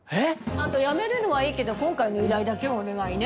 あと辞めるのはいいけど今回の依頼だけはお願いね。